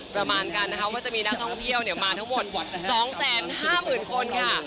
ประมาณกันนะคะว่าจะมีนักท่องเที่ยวมาทั้งหมด๒๕๐๐๐คนค่ะ